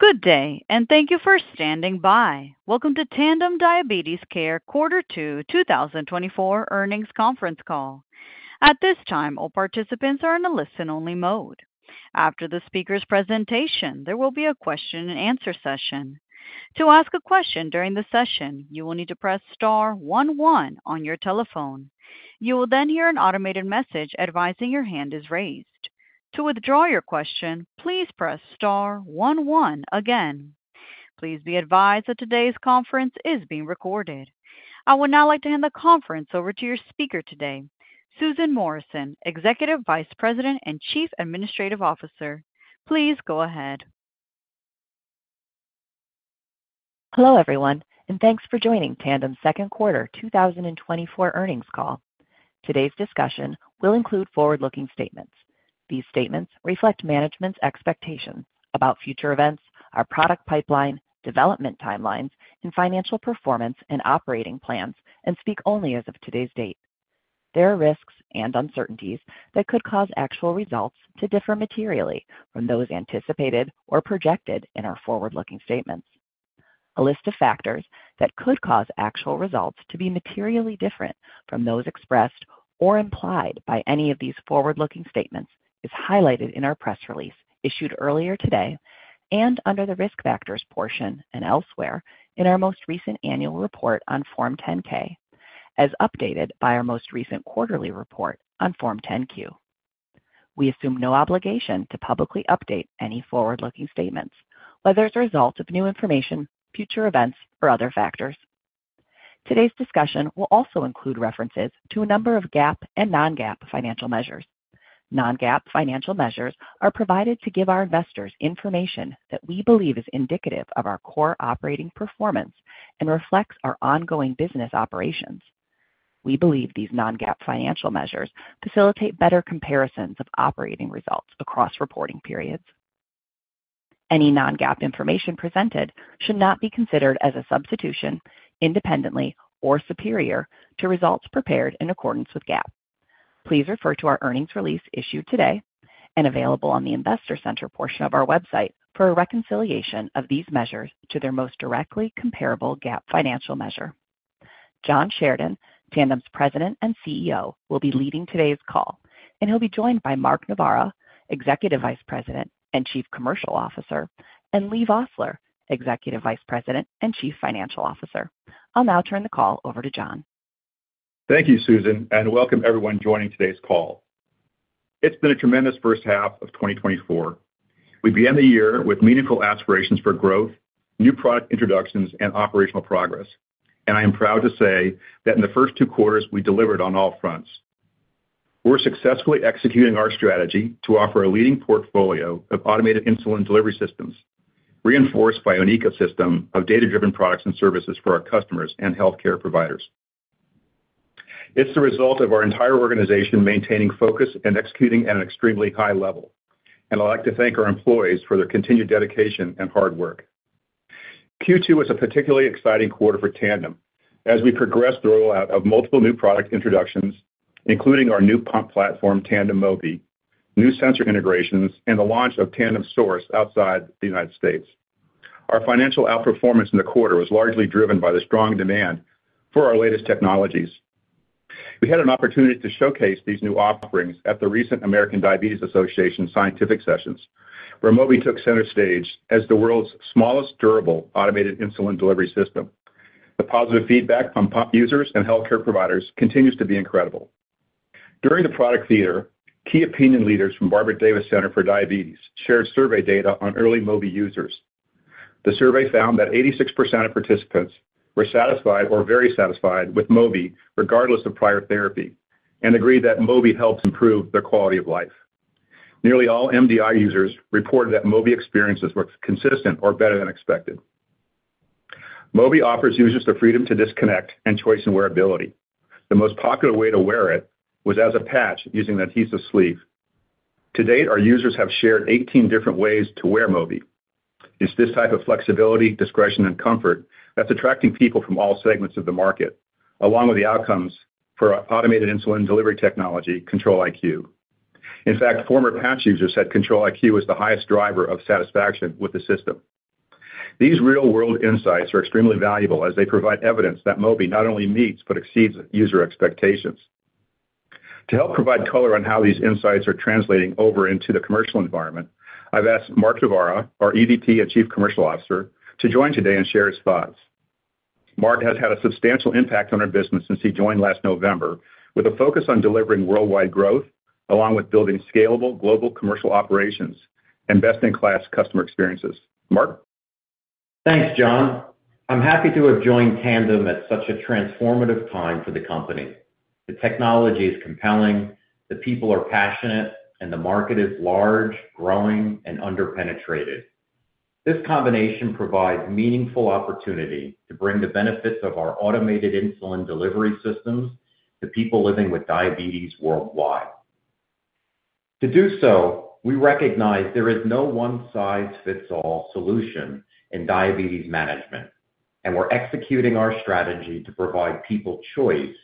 Good day, and thank you for standing by. Welcome to Tandem Diabetes Care Quarter Two, 2024 Earnings Conference Call. At this time, all participants are in a listen-only mode. After the speaker's presentation, there will be a question and answer session. To ask a question during the session, you will need to press star one one on your telephone. You will then hear an automated message advising your hand is raised. To withdraw your question, please press star one one again. Please be advised that today's conference is being recorded. I would now like to hand the conference over to your speaker today, Susan Morrison, Executive Vice President and Chief Administrative Officer. Please go ahead. Hello, everyone, and thanks for joining Tandem's Second Quarter 2024 Earnings Call. Today's discussion will include forward-looking statements. These statements reflect management's expectations about future events, our product pipeline, development timelines, and financial performance and operating plans, and speak only as of today's date. There are risks and uncertainties that could cause actual results to differ materially from those anticipated or projected in our forward-looking statements. A list of factors that could cause actual results to be materially different from those expressed or implied by any of these forward-looking statements is highlighted in our press release, issued earlier today, and under the Risk Factors portion and elsewhere in our most recent annual report on Form 10-K, as updated by our most recent quarterly report on Form 10-Q. We assume no obligation to publicly update any forward-looking statements, whether as a result of new information, future events, or other factors. Today's discussion will also include references to a number of GAAP and non-GAAP financial measures. Non-GAAP financial measures are provided to give our investors information that we believe is indicative of our core operating performance and reflects our ongoing business operations. We believe these non-GAAP financial measures facilitate better comparisons of operating results across reporting periods. Any non-GAAP information presented should not be considered as a substitution, independently, or superior to results prepared in accordance with GAAP. Please refer to our earnings release issued today and available on the Investor Center portion of our website for a reconciliation of these measures to their most directly comparable GAAP financial measure. John Sheridan, Tandem's President and CEO, will be leading today's call, and he'll be joined by Mark Novara, Executive Vice President and Chief Commercial Officer, and Leigh Vosseller, Executive Vice President and Chief Financial Officer. I'll now turn the call over to John. Thank you, Susan, and welcome everyone joining today's call. It's been a tremendous first half of 2024. We began the year with meaningful aspirations for growth, new product introductions, and operational progress, and I am proud to say that in the first two quarters, we delivered on all fronts. We're successfully executing our strategy to offer a leading portfolio of automated insulin delivery systems, reinforced by an ecosystem of data-driven products and services for our customers and healthcare providers. It's the result of our entire organization maintaining focus and executing at an extremely high level, and I'd like to thank our employees for their continued dedication and hard work. Q2 was a particularly exciting quarter for Tandem as we progressed the rollout of multiple new product introductions, including our new pump platform, Tandem Mobi, new sensor integrations, and the launch of Tandem Source outside the United States. Our financial outperformance in the quarter was largely driven by the strong demand for our latest technologies. We had an opportunity to showcase these new offerings at the recent American Diabetes Association Scientific Sessions, where Mobi took center stage as the world's smallest durable automated insulin delivery system. The positive feedback from pump users and healthcare providers continues to be incredible. During the product theater, key opinion leaders from Barbara Davis Center for Diabetes shared survey data on early Mobi users. The survey found that 86% of participants were satisfied or very satisfied with Mobi, regardless of prior therapy, and agreed that Mobi helps improve their quality of life. Nearly all MDI users reported that Mobi experiences were consistent or better than expected. Mobi offers users the freedom to disconnect and choice in wearability. The most popular way to wear it was as a patch using an adhesive sleeve. To date, our users have shared 18 different ways to wear Mobi. It's this type of flexibility, discretion, and comfort that's attracting people from all segments of the market, along with the outcomes for our automated insulin delivery technology, Control-IQ. In fact, former patch users said Control-IQ is the highest driver of satisfaction with the system. These real-world insights are extremely valuable as they provide evidence that Mobi not only meets but exceeds user expectations. To help provide color on how these insights are translating over into the commercial environment, I've asked Mark Novara, our EVP and Chief Commercial Officer, to join today and share his thoughts. Mark has had a substantial impact on our business since he joined last November, with a focus on delivering worldwide growth, along with building scalable global commercial operations and best-in-class customer experiences. Mark? Thanks, John. I'm happy to have joined Tandem at such a transformative time for the company. The technology is compelling, the people are passionate, and the market is large, growing, and underpenetrated. This combination provides meaningful opportunity to bring the benefits of our automated insulin delivery systems to people living with diabetes worldwide. To do so, we recognize there is no one-size-fits-all solution in diabetes management.... and we're executing our strategy to provide people choice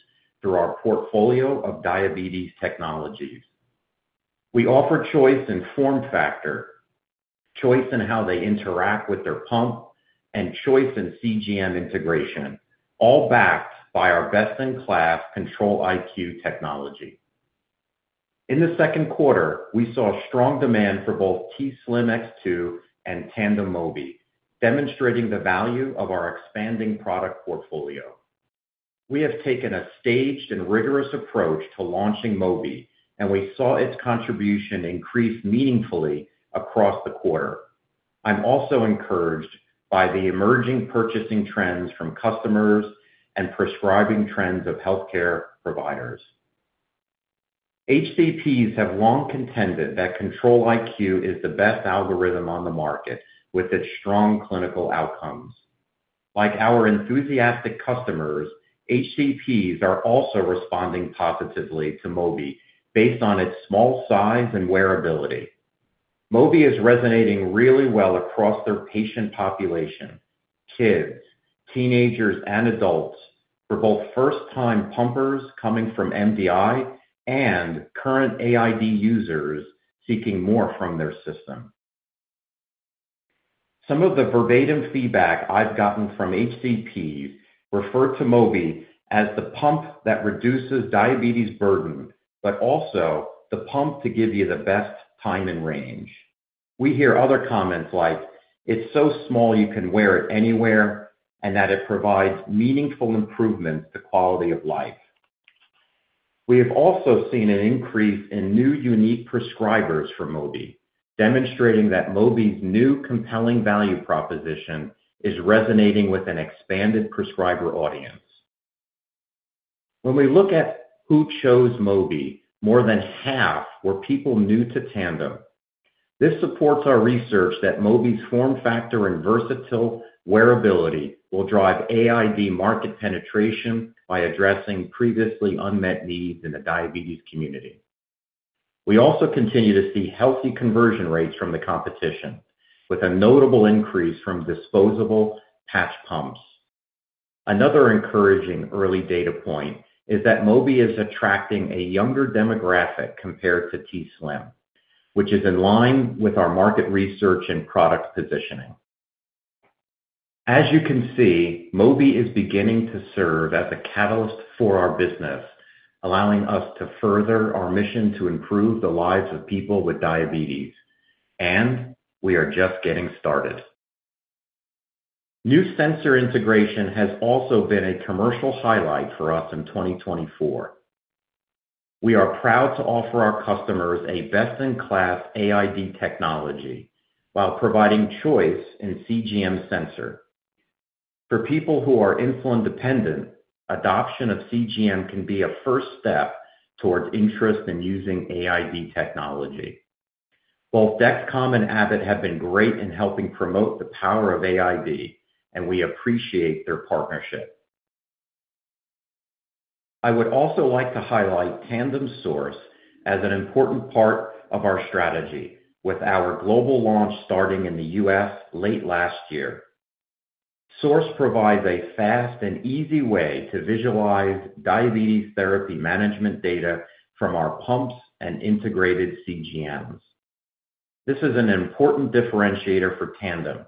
through our portfolio of diabetes technologies. We offer choice in form factor, choice in how they interact with their pump, and choice in CGM integration, all backed by our best-in-class Control-IQ technology. In the second quarter, we saw strong demand for both t:slim X2 and Tandem Mobi, demonstrating the value of our expanding product portfolio. We have taken a staged and rigorous approach to launching Mobi, and we saw its contribution increase meaningfully across the quarter. I'm also encouraged by the emerging purchasing trends from customers and prescribing trends of healthcare providers. HCPs have long contended that Control-IQ is the best algorithm on the market, with its strong clinical outcomes. Like our enthusiastic customers, HCPs are also responding positively to Mobi based on its small size and wearability. Mobi is resonating really well across their patient population, kids, teenagers, and adults, for both first-time pumpers coming from MDI and current AID users seeking more from their system. Some of the verbatim feedback I've gotten from HCPs refer to Mobi as the pump that reduces diabetes burden, but also the pump to give you the best Time in Range. We hear other comments like, "It's so small, you can wear it anywhere," and that it provides meaningful improvement to quality of life. We have also seen an increase in new unique prescribers for Mobi, demonstrating that Mobi's new compelling value proposition is resonating with an expanded prescriber audience. When we look at who chose Mobi, more than half were people new to Tandem. This supports our research that Mobi's form factor and versatile wearability will drive AID market penetration by addressing previously unmet needs in the diabetes community. We also continue to see healthy conversion rates from the competition, with a notable increase from disposable patch pumps. Another encouraging early data point is that Mobi is attracting a younger demographic compared to t:slim, which is in line with our market research and product positioning. As you can see, Mobi is beginning to serve as a catalyst for our business, allowing us to further our mission to improve the lives of people with diabetes, and we are just getting started. New sensor integration has also been a commercial highlight for us in 2024. We are proud to offer our customers a best-in-class AID technology while providing choice in CGM sensor. For people who are insulin dependent, adoption of CGM can be a first step towards interest in using AID technology. Both Dexcom and Abbott have been great in helping promote the power of AID, and we appreciate their partnership. I would also like to highlight Tandem Source as an important part of our strategy with our global launch starting in the U.S. late last year. Source provides a fast and easy way to visualize diabetes therapy management data from our pumps and integrated CGMs. This is an important differentiator for Tandem,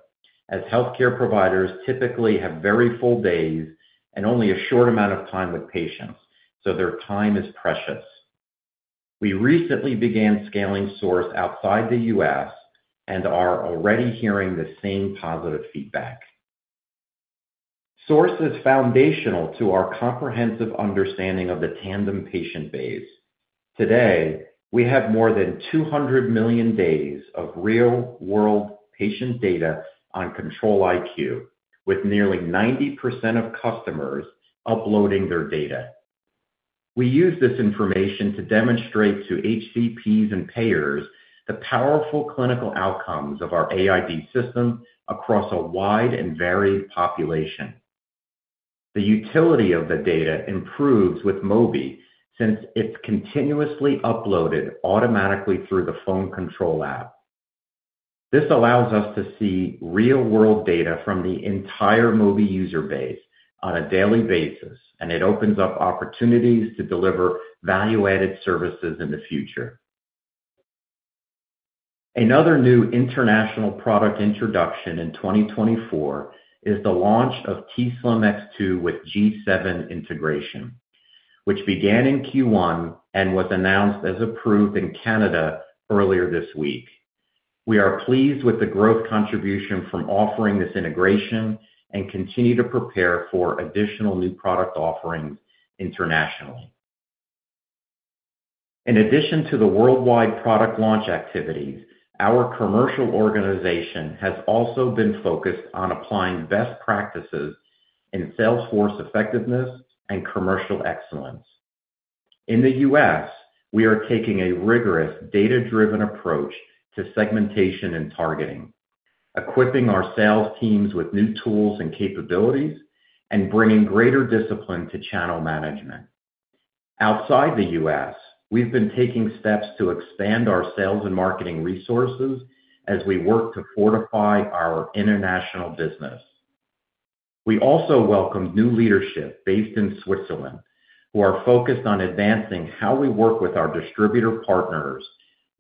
as healthcare providers typically have very full days and only a short amount of time with patients, so their time is precious. We recently began scaling Source outside the U.S. and are already hearing the same positive feedback. Source is foundational to our comprehensive understanding of the Tandem patient base. Today, we have more than 200 million days of real-world patient data on Control-IQ, with nearly 90% of customers uploading their data. We use this information to demonstrate to HCPs and payers the powerful clinical outcomes of our AID system across a wide and varied population. The utility of the data improves with Mobi, since it's continuously uploaded automatically through the phone control app. This allows us to see real-world data from the entire Mobi user base on a daily basis, and it opens up opportunities to deliver value-added services in the future. Another new international product introduction in 2024 is the launch of t:slim X2 with G7 integration, which began in Q1 and was announced as approved in Canada earlier this week. We are pleased with the growth contribution from offering this integration and continue to prepare for additional new product offerings internationally. In addition to the worldwide product launch activities, our commercial organization has also been focused on applying best practices in sales force effectiveness and commercial excellence. In the U.S., we are taking a rigorous, data-driven approach to segmentation and targeting, equipping our sales teams with new tools and capabilities, and bringing greater discipline to channel management. Outside the U.S., we've been taking steps to expand our sales and marketing resources as we work to fortify our international business. We also welcomed new leadership based in Switzerland, who are focused on advancing how we work with our distributor partners,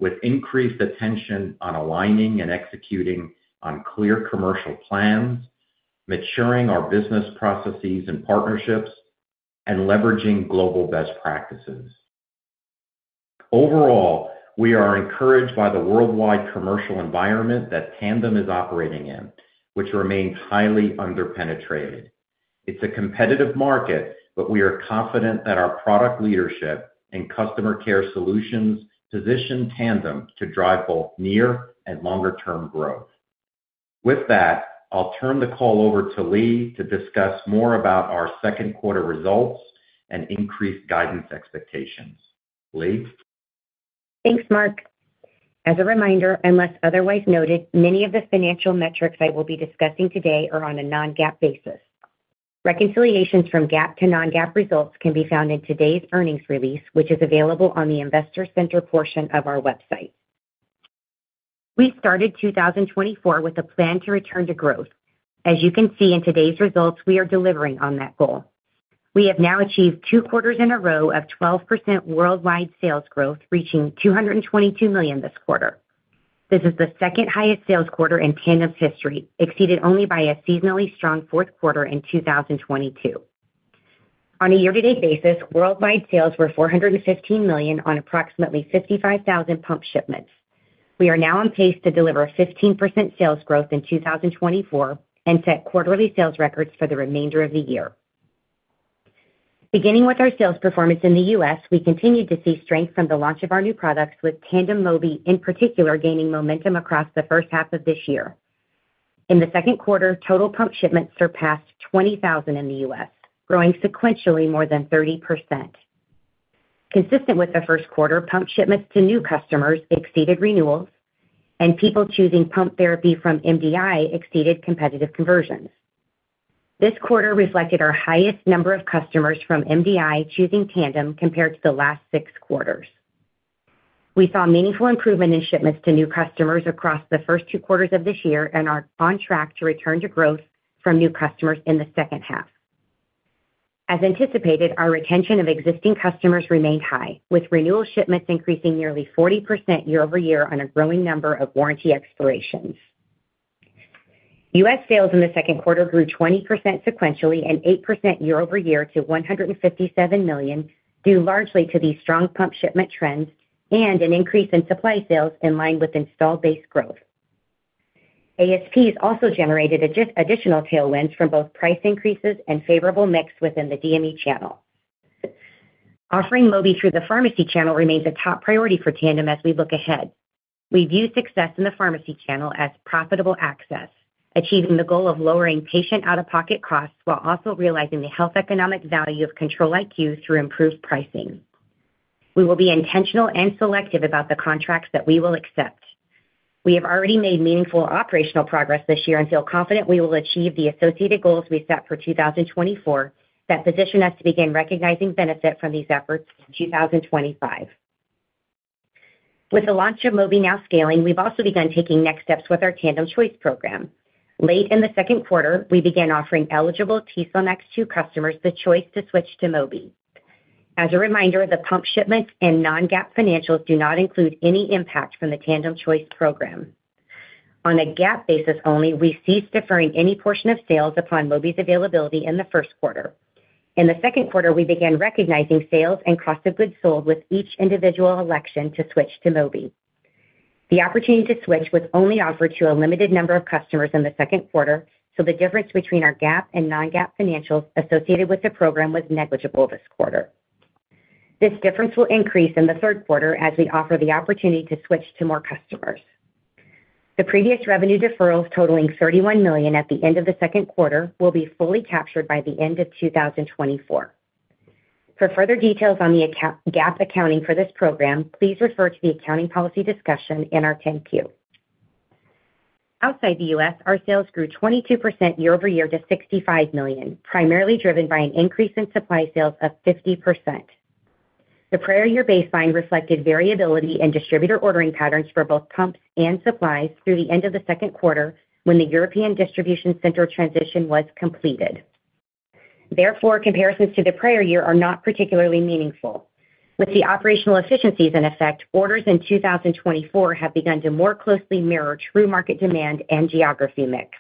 with increased attention on aligning and executing on clear commercial plans, maturing our business processes and partnerships, and leveraging global best practices. Overall, we are encouraged by the worldwide commercial environment that Tandem is operating in, which remains highly underpenetrated. It's a competitive market, but we are confident that our product leadership and customer care solutions position Tandem to drive both near and longer-term growth. With that, I'll turn the call over to Leigh to discuss more about our second quarter results and increased guidance expectations. Leigh? Thanks, Mark. As a reminder, unless otherwise noted, many of the financial metrics I will be discussing today are on a non-GAAP basis. Reconciliations from GAAP to non-GAAP results can be found in today's earnings release, which is available on the Investor Center portion of our website. We started 2024 with a plan to return to growth. As you can see in today's results, we are delivering on that goal. We have now achieved two quarters in a row of 12% worldwide sales growth, reaching $222 million this quarter. This is the second-highest sales quarter in Tandem's history, exceeded only by a seasonally strong fourth quarter in 2022. On a year-to-date basis, worldwide sales were $415 million on approximately 55,000 pump shipments. We are now on pace to deliver 15% sales growth in 2024, and set quarterly sales records for the remainder of the year. Beginning with our sales performance in the U.S., we continued to see strength from the launch of our new products, with Tandem Mobi in particular, gaining momentum across the first half of this year. In the second quarter, total pump shipments surpassed 20,000 in the U.S., growing sequentially more than 30%. Consistent with the first quarter, pump shipments to new customers exceeded renewals, and people choosing pump therapy from MDI exceeded competitive conversions. This quarter reflected our highest number of customers from MDI choosing Tandem compared to the last six quarters. We saw meaningful improvement in shipments to new customers across the first two quarters of this year and are on track to return to growth from new customers in the second half. As anticipated, our retention of existing customers remained high, with renewal shipments increasing nearly 40% YoY on a growing number of warranty expirations. U.S. sales in the second quarter grew 20% sequentially and 8% YoY to $157 million, due largely to these strong pump shipment trends and an increase in supply sales in line with installed base growth. ASPs also generated additional tailwinds from both price increases and favorable mix within the DME channel. Offering Mobi through the pharmacy channel remains a top priority for Tandem as we look ahead. We view success in the pharmacy channel as profitable access, achieving the goal of lowering patient out-of-pocket costs while also realizing the health economic value of Control-IQ through improved pricing. We will be intentional and selective about the contracts that we will accept. We have already made meaningful operational progress this year and feel confident we will achieve the associated goals we set for 2024, that position us to begin recognizing benefit from these efforts in 2025. With the launch of Mobi now scaling, we've also begun taking next steps with our Tandem Choice program. Late in the second quarter, we began offering eligible t:slim X2 customers the choice to switch to Mobi. As a reminder, the pump shipments and non-GAAP financials do not include any impact from the Tandem Choice program. On a GAAP basis only, we ceased deferring any portion of sales upon Mobi's availability in the first quarter. In the second quarter, we began recognizing sales and cost of goods sold with each individual election to switch to Mobi. The opportunity to switch was only offered to a limited number of customers in the second quarter, so the difference between our GAAP and non-GAAP financials associated with the program was negligible this quarter. This difference will increase in the third quarter as we offer the opportunity to switch to more customers. The previous revenue deferrals, totaling $31 million at the end of the second quarter, will be fully captured by the end of 2024. For further details on the GAAP accounting for this program, please refer to the accounting policy discussion in our 10-Q. Outside the U.S., our sales grew 22% YoY to $65 million, primarily driven by an increase in supply sales of 50%. The prior year baseline reflected variability in distributor ordering patterns for both pumps and supplies through the end of the second quarter, when the European distribution center transition was completed. Therefore, comparisons to the prior year are not particularly meaningful. With the operational efficiencies in effect, orders in 2024 have begun to more closely mirror true market demand and geographic mix.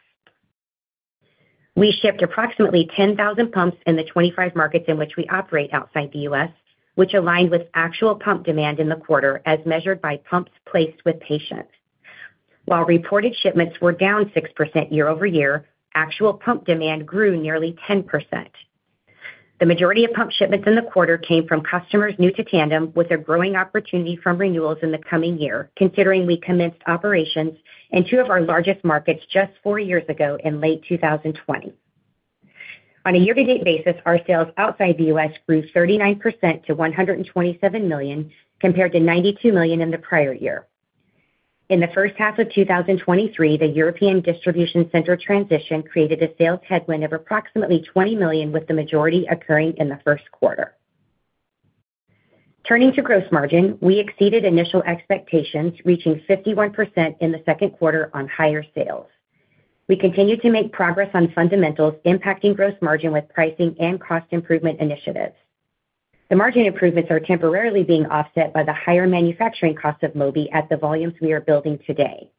We shipped approximately 10,000 pumps in the 25 markets in which we operate outside the U.S., which aligned with actual pump demand in the quarter, as measured by pumps placed with patients. While reported shipments were down 6% YoY, actual pump demand grew nearly 10%. The majority of pump shipments in the quarter came from customers new to Tandem, with a growing opportunity from renewals in the coming year, considering we commenced operations in two of our largest markets just four years ago in late 2020. On a year-to-date basis, our sales outside the U.S. grew 39% to $127 million, compared to $92 million in the prior year. In the first half of 2023, the European distribution center transition created a sales headwind of approximately $20 million, with the majority occurring in the first quarter. Turning to gross margin, we exceeded initial expectations, reaching 51% in the second quarter on higher sales. We continue to make progress on fundamentals, impacting gross margin with pricing and cost improvement initiatives. The margin improvements are temporarily being offset by the higher manufacturing costs of Mobi at the volumes we are building today.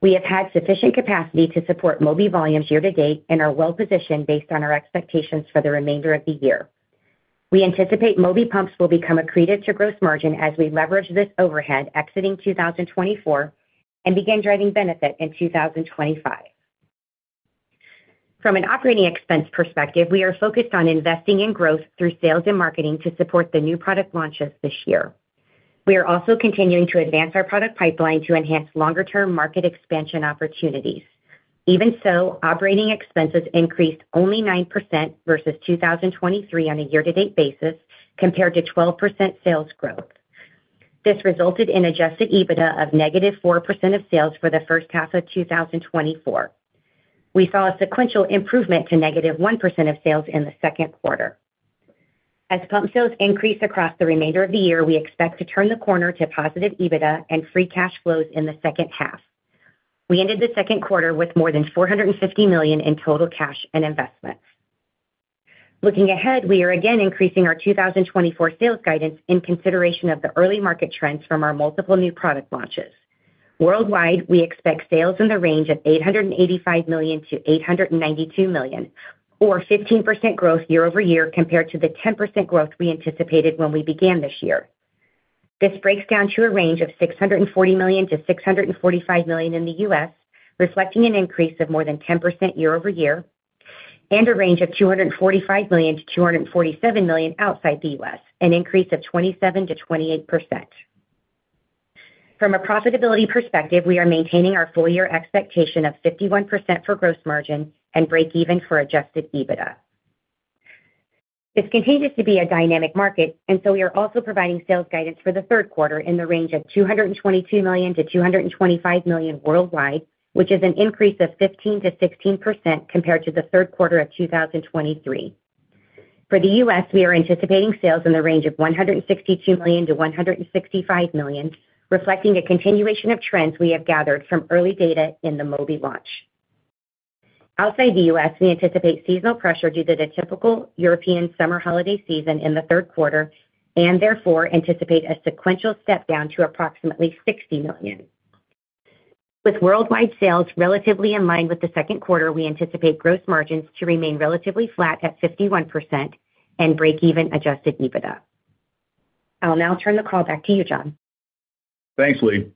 We have had sufficient capacity to support Mobi volumes year to date and are well positioned based on our expectations for the remainder of the year. We anticipate Mobi pumps will become accretive to gross margin as we leverage this overhead exiting 2024, and begin driving benefit in 2025. From an operating expense perspective, we are focused on investing in growth through sales and marketing to support the new product launches this year. We are also continuing to advance our product pipeline to enhance longer-term market expansion opportunities. Even so, operating expenses increased only 9% versus 2023 on a year-to-date basis, compared to 12% sales growth. This resulted in adjusted EBITDA of -4% of sales for the first half of 2024. We saw a sequential improvement to -1% of sales in the second quarter. As pump sales increase across the remainder of the year, we expect to turn the corner to positive EBITDA and free cash flows in the second half. We ended the second quarter with more than $450 million in total cash and investments. Looking ahead, we are again increasing our 2024 sales guidance in consideration of the early market trends from our multiple new product launches. Worldwide, we expect sales in the range of $885 million-$892 million, or 15% growth YoY, compared to the 10% growth we anticipated when we began this year. This breaks down to a range of $640 million-$645 million in the US, reflecting an increase of more than 10% YoY, and a range of $245 million-$247 million outside the US, an increase of 27%-28%. From a profitability perspective, we are maintaining our full-year expectation of 51% for gross margin and break-even for adjusted EBITDA. This continues to be a dynamic market, and so we are also providing sales guidance for the third quarter in the range of $222 million-$225 million worldwide, which is an increase of 15%-16% compared to the third quarter of 2023. For the U.S., we are anticipating sales in the range of $162 million-$165 million, reflecting a continuation of trends we have gathered from early data in the Mobi launch. Outside the U.S., we anticipate seasonal pressure due to the typical European summer holiday season in the third quarter, and therefore anticipate a sequential step down to approximately $60 million. With worldwide sales relatively in line with the second quarter, we anticipate gross margins to remain relatively flat at 51% and break even adjusted EBITDA. I'll now turn the call back to you, John. Thanks, Leigh.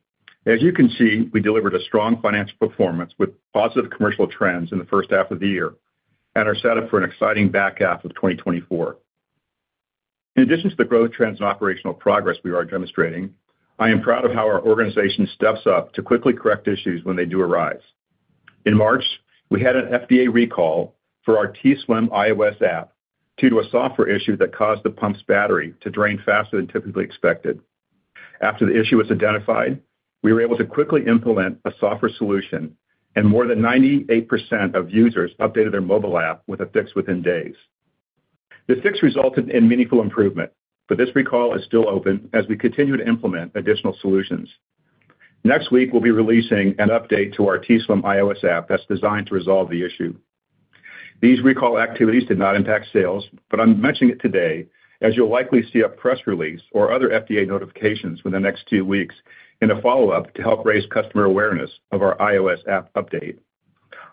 As you can see, we delivered a strong financial performance with positive commercial trends in the first half of the year and are set up for an exciting back half of 2024. In addition to the growth trends and operational progress we are demonstrating, I am proud of how our organization steps up to quickly correct issues when they do arise. In March, we had an FDA recall for our t:slim iOS app due to a software issue that caused the pump's battery to drain faster than typically expected. After the issue was identified, we were able to quickly implement a software solution, and more than 98% of users updated their mobile app with a fix within days. The fix resulted in meaningful improvement, but this recall is still open as we continue to implement additional solutions. Next week, we'll be releasing an update to our t:slim iOS app that's designed to resolve the issue. These recall activities did not impact sales, but I'm mentioning it today, as you'll likely see a press release or other FDA notifications within the next two weeks in a follow-up to help raise customer awareness of our iOS app update.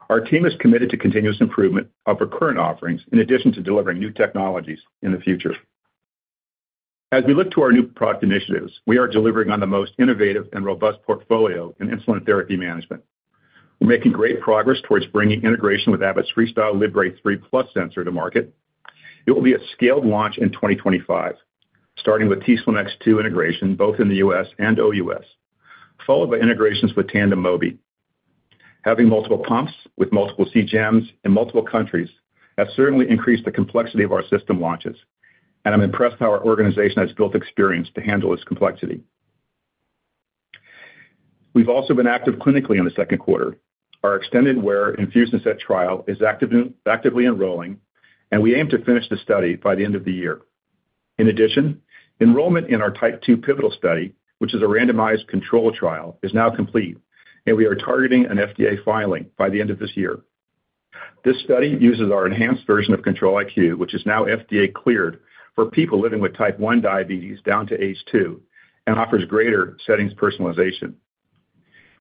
Our team is committed to continuous improvement of our current offerings in addition to delivering new technologies in the future. As we look to our new product initiatives, we are delivering on the most innovative and robust portfolio in insulin therapy management. We're making great progress towards bringing integration with Abbott's FreeStyle Libre 3 Plus sensor to market. It will be a scaled launch in 2025, starting with t:slim X2 integration, both in the US and OUS, followed by integrations with Tandem Mobi. Having multiple pumps with multiple CGMs in multiple countries has certainly increased the complexity of our system launches, and I'm impressed how our organization has built experience to handle this complexity. We've also been active clinically in the second quarter. Our extended wear infusion set trial is actively enrolling, and we aim to finish the study by the end of the year. In addition, enrollment in our type 2 pivotal study, which is a randomized controlled trial, is now complete, and we are targeting an FDA filing by the end of this year. This study uses our enhanced version of Control-IQ, which is now FDA cleared for people living with type 1 diabetes down to age 2 and offers greater settings personalization.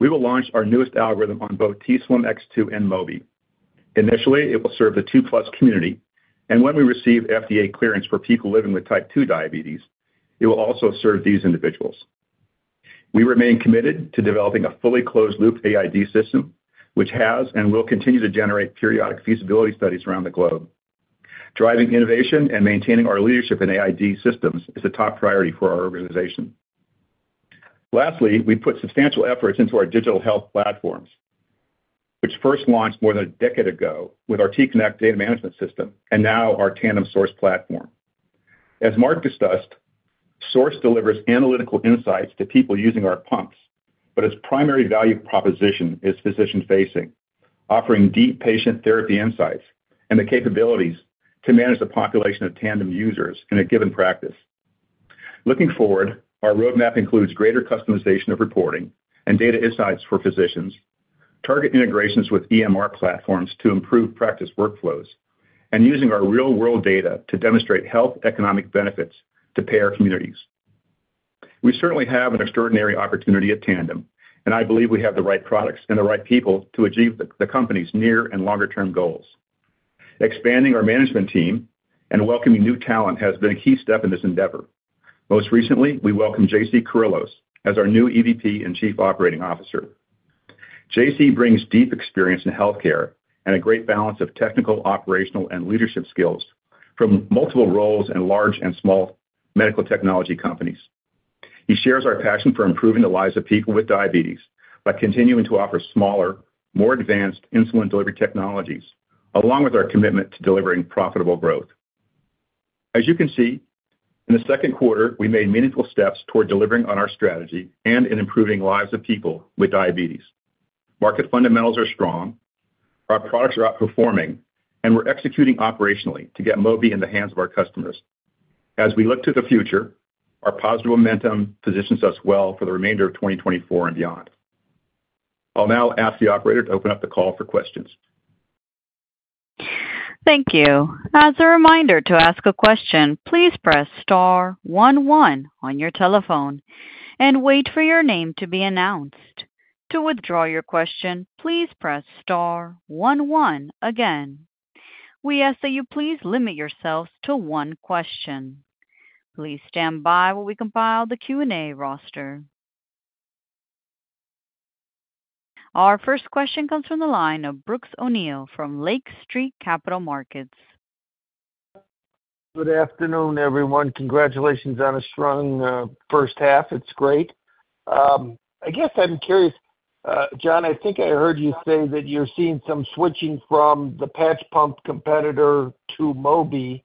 We will launch our newest algorithm on both t:slim X2 and Mobi. Initially, it will serve the 2+ community, and when we receive FDA clearance for people living with type 2 diabetes, it will also serve these individuals. We remain committed to developing a fully closed loop AID system, which has and will continue to generate periodic feasibility studies around the globe. Driving innovation and maintaining our leadership in AID systems is a top priority for our organization. Lastly, we put substantial efforts into our digital health platforms, which first launched more than a decade ago with our t:connect data management system and now our Tandem Source platform. As Mark discussed, Source delivers analytical insights to people using our pumps, but its primary value proposition is physician-facing, offering deep patient therapy insights and the capabilities to manage the population of Tandem users in a given practice. Looking forward, our roadmap includes greater customization of reporting and data insights for physicians, target integrations with EMR platforms to improve practice workflows, and using our real-world data to demonstrate health economic benefits to payer communities. We certainly have an extraordinary opportunity at Tandem, and I believe we have the right products and the right people to achieve the company's near and longer-term goals. Expanding our management team and welcoming new talent has been a key step in this endeavor. Most recently, we welcomed JC Kyrillos as our new EVP and Chief Operating Officer. JC brings deep experience in healthcare and a great balance of technical, operational, and leadership skills from multiple roles in large and small medical technology companies. He shares our passion for improving the lives of people with diabetes by continuing to offer smaller, more advanced insulin delivery technologies, along with our commitment to delivering profitable growth. As you can see, in the second quarter, we made meaningful steps toward delivering on our strategy and in improving lives of people with diabetes. Market fundamentals are strong, our products are outperforming, and we're executing operationally to get Mobi in the hands of our customers. As we look to the future, our positive momentum positions us well for the remainder of 2024 and beyond. I'll now ask the operator to open up the call for questions. Thank you. As a reminder, to ask a question, please press star one one on your telephone and wait for your name to be announced. To withdraw your question, please press star one one again. We ask that you please limit yourselves to one question. Please stand by while we compile the Q&A roster. Our first question comes from the line of Brooks O'Neil from Lake Street Capital Markets. Good afternoon, everyone. Congratulations on a strong first half. It's great. I guess I'm curious, John, I think I heard you say that you're seeing some switching from the patch pump competitor to Mobi,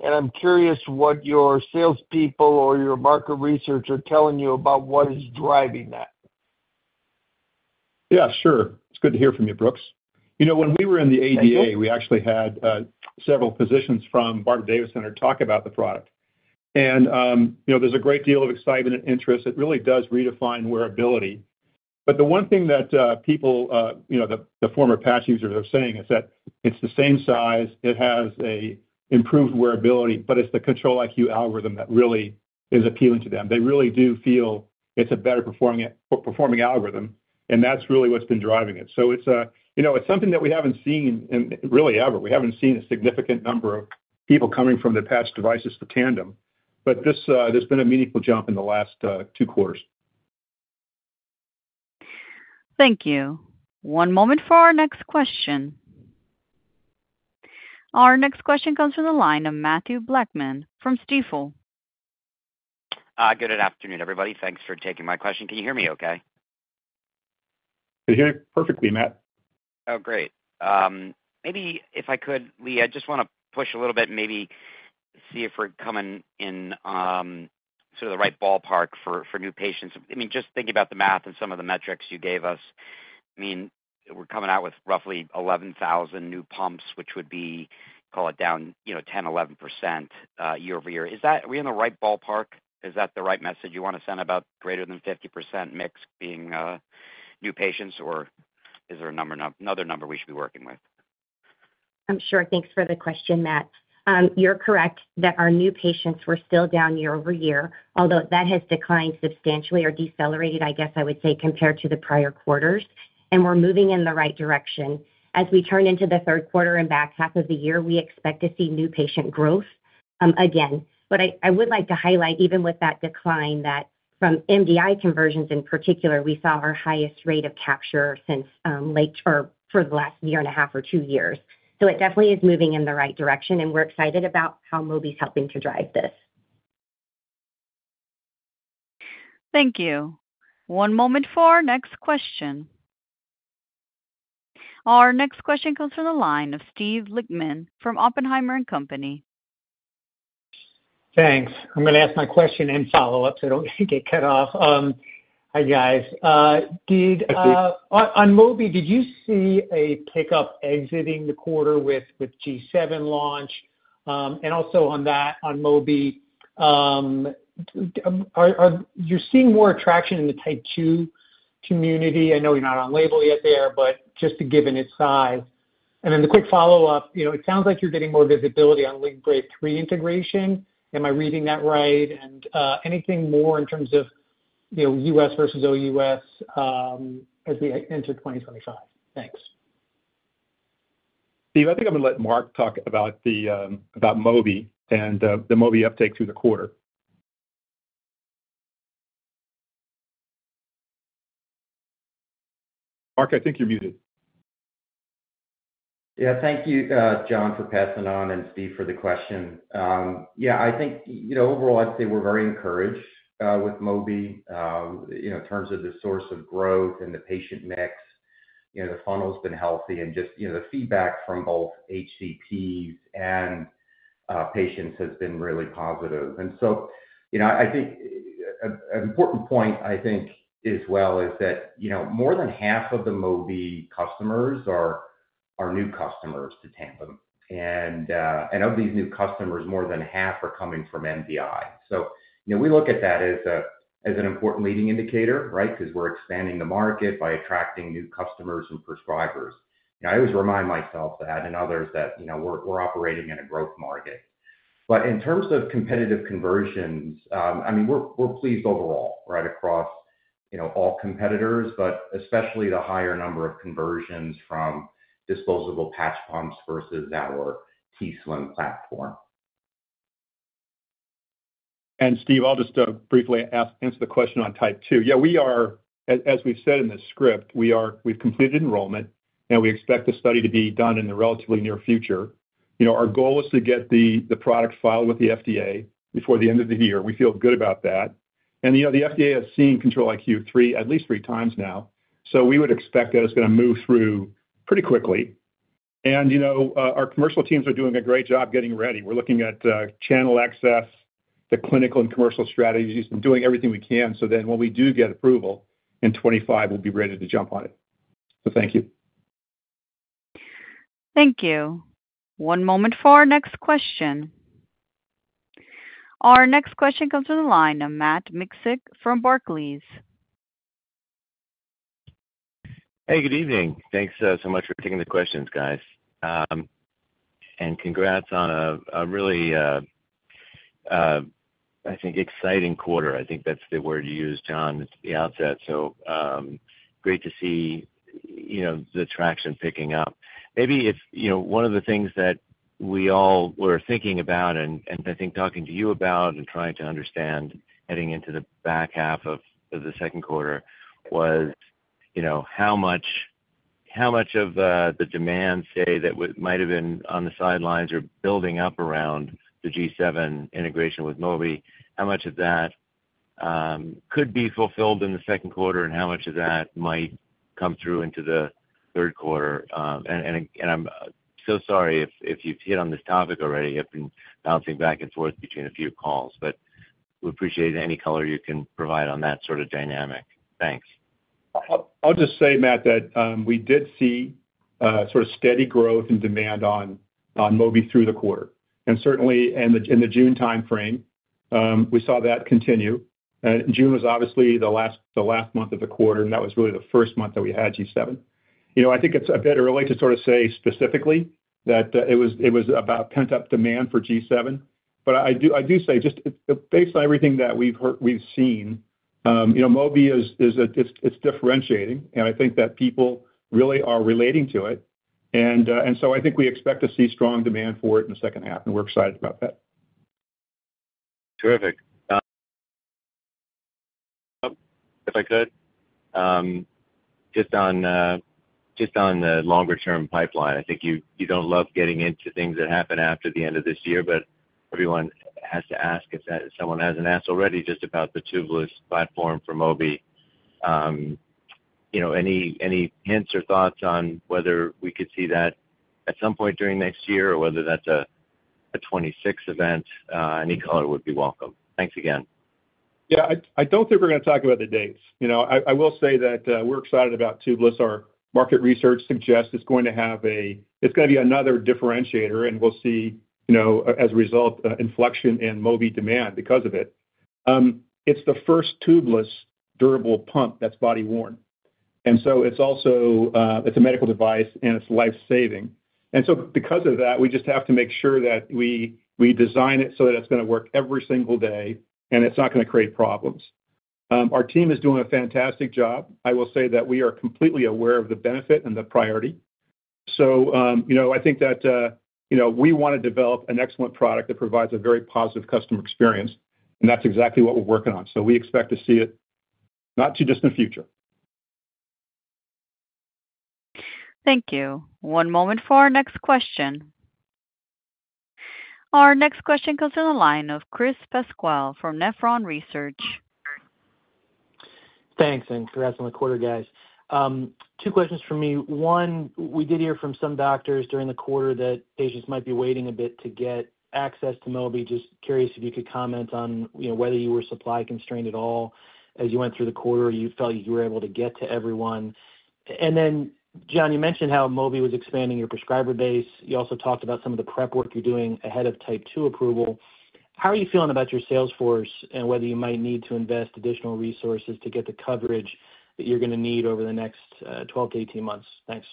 and I'm curious what your salespeople or your market research are telling you about what is driving that. Yeah, sure. It's good to hear from you, Brooks. You know, when we were in the ADA, we actually had several physicians from Barbara Davis Center talk about the product. And you know, there's a great deal of excitement and interest. It really does redefine wearability. But the one thing that people you know, the former patch users are saying is that it's the same size, it has an improved wearability, but it's the Control-IQ algorithm that really is appealing to them. They really do feel it's a better performing performing algorithm, and that's really what's been driving it. So it's a... You know, it's something that we haven't seen in really ever. We haven't seen a significant number of people coming from the patch devices to Tandem. But this, there's been a meaningful jump in the last two quarters. Thank you. One moment for our next question. Our next question comes from the line of Mathew Blackman from Stifel. Good afternoon, everybody. Thanks for taking my question. Can you hear me okay? I hear you perfectly, Matt. Oh, great. Maybe if I could, Leigh, I just wanna push a little bit and maybe see if we're coming in, sort of the right ballpark for, for new patients. I mean, just thinking about the math and some of the metrics you gave us, I mean, we're coming out with roughly 11,000 new pumps, which would be, call it down, you know, 10%, 11% YoY. Is that- are we in the right ballpark? Is that the right message you want to send about greater than 50% mix being new patients, or is there a number, another number we should be working with? Sure. Thanks for the question, Matt. You're correct that our new patients were still down YoY, although that has declined substantially or decelerated, I guess I would say, compared to the prior quarters, and we're moving in the right direction. As we turn into the third quarter and back half of the year, we expect to see new patient growth, again. But I, I would like to highlight, even with that decline, that from MDI conversions in particular, we saw our highest rate of capture since, late or for the last year and a half or two years. So it definitely is moving in the right direction, and we're excited about how Mobi's helping to drive this. Thank you. One moment for our next question. Our next question comes from the line of Steve Lichtman from Oppenheimer & Co. Thanks. I'm going to ask my question and follow-up so I don't get cut off. Hi, guys. Did, Hi, Steve. On Mobi, did you see a pickup exiting the quarter with the G7 launch? And also on that, on Mobi, you're seeing more attraction in the type 2 community. I know you're not on label yet there, but just given its size. And then the quick follow-up, you know, it sounds like you're getting more visibility on Libre 3 integration. Am I reading that right? And anything more in terms of, you know, U.S. versus OUS, as we enter 2025? Thanks. Steve, I think I'm going to let Mark talk about Mobi and the Mobi uptake through the quarter. Mark, I think you're muted.... Yeah, thank you, John, for passing it on, and Steve, for the question. Yeah, I think, you know, overall, I'd say we're very encouraged with Mobi, you know, in terms of the source of growth and the patient mix. You know, the funnel's been healthy and just, you know, the feedback from both HCPs and patients has been really positive. And so, you know, I think, an important point, I think, as well, is that, you know, more than half of the Mobi customers are new customers to Tandem. And of these new customers, more than half are coming from MDI. So, you know, we look at that as an important leading indicator, right? Because we're expanding the market by attracting new customers and prescribers. I always remind myself that and others that, you know, we're operating in a growth market. But in terms of competitive conversions, I mean, we're pleased overall, right across, you know, all competitors, but especially the higher number of conversions from disposable patch pumps versus our t:slim platform. Steve, I'll just briefly answer the question on Type 2. Yeah, we are, as we've said in the script, we've completed enrollment, and we expect the study to be done in the relatively near future. You know, our goal is to get the product filed with the FDA before the end of the year. We feel good about that. And, you know, our commercial teams are doing a great job getting ready. We're looking at channel access, the clinical and commercial strategies, and doing everything we can, so then when we do get approval in 2025, we'll be ready to jump on it. So thank you. Thank you. One moment for our next question. Our next question comes to the line of Matt Miksic from Barclays. Hey, good evening. Thanks, so much for taking the questions, guys. And congrats on a really, I think, exciting quarter. I think that's the word you used, John, at the outset. So, great to see, you know, the traction picking up. Maybe if, you know, one of the things that we all were thinking about, and I think talking to you about, and trying to understand heading into the back half of the second quarter was, you know, how much, how much of the demand, say, that might have been on the sidelines or building up around the G7 integration with Mobi, how much of that could be fulfilled in the second quarter, and how much of that might come through into the third quarter? And again, I'm so sorry if you've hit on this topic already. I've been bouncing back and forth between a few calls, but we appreciate any color you can provide on that sort of dynamic. Thanks. I'll just say, Matt, that we did see sort of steady growth and demand on Mobi through the quarter. And certainly, in the June time frame, we saw that continue. And June was obviously the last month of the quarter, and that was really the first month that we had G7. You know, I think it's a bit early to sort of say specifically that it was about pent-up demand for G7. But I do say, just it-based on everything that we've heard-we've seen, you know, Mobi is a-it's differentiating, and I think that people really are relating to it. And so I think we expect to see strong demand for it in the second half, and we're excited about that. Terrific. If I could, just on the longer-term pipeline, I think you don't love getting into things that happen after the end of this year, but everyone has to ask if someone hasn't asked already, just about the tubeless platform for Mobi. You know, any hints or thoughts on whether we could see that at some point during next year or whether that's a 2026 event? Any color would be welcome. Thanks again. Yeah, I don't think we're going to talk about the dates. You know, I will say that we're excited about tubeless. Our market research suggests it's going to be another differentiator, and we'll see, you know, as a result, inflection in Mobi demand because of it. It's the first tubeless durable pump that's body-worn. And so it's also, it's a medical device, and it's life-saving. And so because of that, we just have to make sure that we design it so that it's going to work every single day, and it's not going to create problems. Our team is doing a fantastic job. I will say that we are completely aware of the benefit and the priority. you know, I think that, you know, we want to develop an excellent product that provides a very positive customer experience, and that's exactly what we're working on. We expect to see it not too distant in the future. Thank you. One moment for our next question. Our next question comes in the line of Chris Pasquale from Nephron Research. Thanks, and congrats on the quarter, guys. Two questions from me. One, we did hear from some doctors during the quarter that patients might be waiting a bit to get access to Mobi. Just curious if you could comment on, you know, whether you were supply-constrained at all as you went through the quarter, or you felt like you were able to get to everyone. And then, John, you mentioned how Mobi was expanding your prescriber base. You also talked about some of the prep work you're doing ahead of Type 2 approval. How are you feeling about your sales force and whether you might need to invest additional resources to get the coverage that you're going to need over the next 12-18 months? Thanks.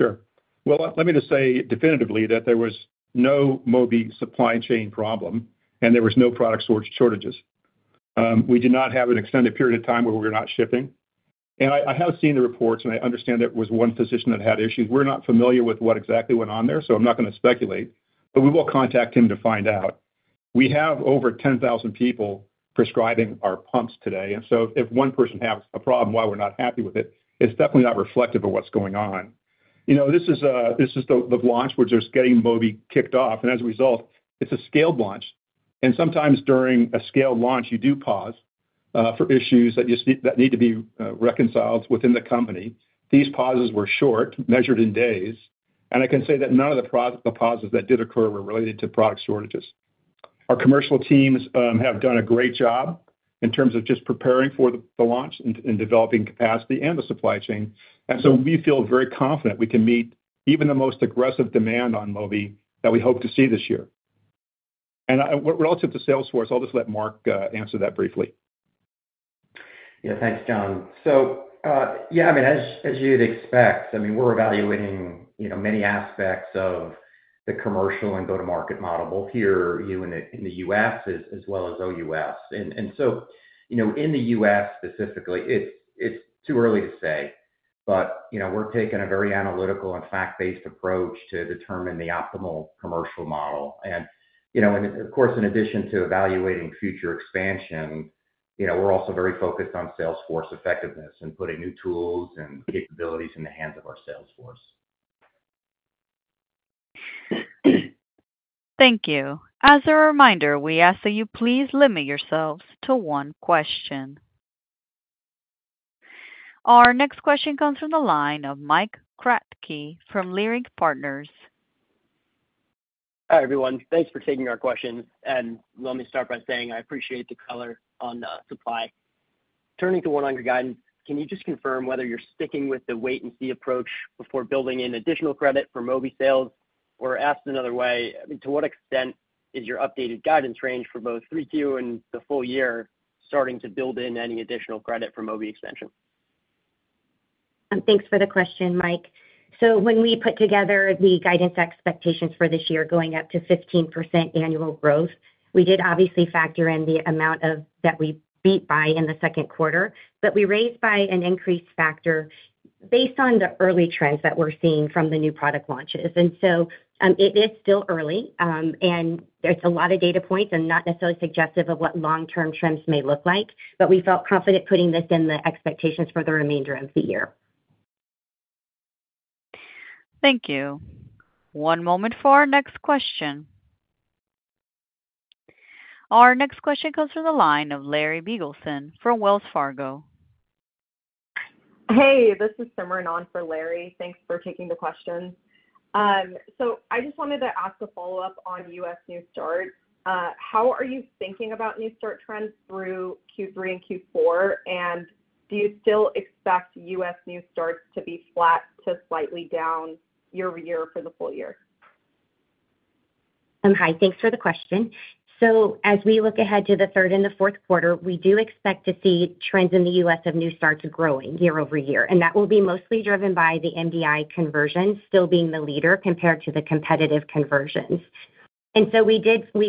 Sure. Well, let me just say definitively that there was no Mobi supply chain problem, and there was no product shortages. We did not have an extended period of time where we were not shipping. I have seen the reports, and I understand there was one physician that had issues. We're not familiar with what exactly went on there, so I'm not going to speculate, but we will contact him to find out. We have over 10,000 people prescribing our pumps today, and so if one person has a problem while we're not happy with it, it's definitely not reflective of what's going on. You know, this is the launch, which is getting Mobi kicked off, and as a result, it's a scaled launch. Sometimes during a scaled launch, you do pause for issues that just need to be reconciled within the company. These pauses were short, measured in days, and I can say that none of the pauses that did occur were related to product shortages. Our commercial teams have done a great job in terms of just preparing for the launch and developing capacity and the supply chain. Relative to sales force, I'll just let Mark answer that briefly. Yeah, thanks, John. So, yeah, I mean, as you'd expect, I mean, we're evaluating, you know, many aspects of the commercial and go-to-market model, both here, you know, in the U.S. as well as OUS. And so, you know, in the U.S. specifically, it's too early to say. But, you know, we're taking a very analytical and fact-based approach to determine the optimal commercial model. And, you know, and of course, in addition to evaluating future expansion, you know, we're also very focused on sales force effectiveness and putting new tools and capabilities in the hands of our sales force. Thank you. As a reminder, we ask that you please limit yourselves to one question. Our next question comes from the line of Mike Kratky from Leerink Partners. Hi, everyone. Thanks for taking our question, and let me start by saying I appreciate the color on, supply. Turning to one on your guidance, can you just confirm whether you're sticking with the wait-and-see approach before building in additional credit for Mobi sales? Or asked another way, I mean, to what extent is your updated guidance range for both 3Q and the full year starting to build in any additional credit for Mobi extension? Thanks for the question, Mike. So when we put together the guidance expectations for this year going up to 15% annual growth, we did obviously factor in the amount of... that we beat by in the second quarter, but we raised by an increased factor based on the early trends that we're seeing from the new product launches. And so, it is still early, and there's a lot of data points and not necessarily suggestive of what long-term trends may look like. But we felt confident putting this in the expectations for the remainder of the year. Thank you. One moment for our next question. Our next question goes to the line of Larry Biegelsen from Wells Fargo. Hey, this is Simran on for Larry. Thanks for taking the question. I just wanted to ask a follow-up on U.S. new start. How are you thinking about new start trends through Q3 and Q4? And do you still expect U.S. new starts to be flat to slightly down YoY for the full year? Hi, thanks for the question. So as we look ahead to the third and the fourth quarter, we do expect to see trends in the U.S. of new starts growing YoY, and that will be mostly driven by the MDI conversion still being the leader compared to the competitive conversions. And so we